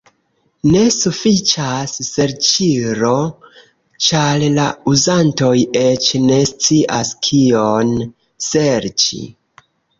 Ne sufiĉas serĉilo, ĉar la uzantoj eĉ ne scias kion serĉi.